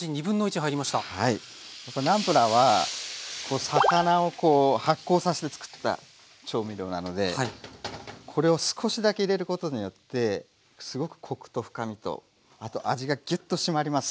やっぱりナンプラーは魚を発酵させてつくった調味料なのでこれを少しだけ入れることによってすごくコクと深みとあと味がギュッと締まります。